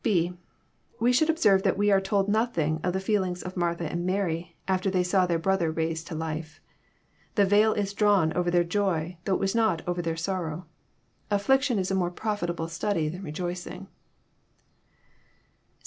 (6) We should observe that we are told nothing of the feel ings of Martha and Mary, after they saw their brother raised to life. The veil is drawn over their joy, though it was not over their sorrow. Affliction is a more profitable study than re joicing.